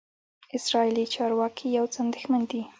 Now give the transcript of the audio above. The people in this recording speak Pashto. اسرائیلي چارواکي یو څه اندېښمن دي.